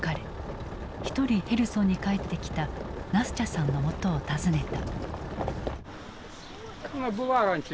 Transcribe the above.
一人ヘルソンに帰ってきたナスチャさんのもとを訪ねた。